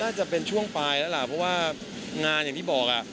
จะเป็นช่วงปลายแล้วล่ะเพราะว่างานอย่างที่บอกอ่ะ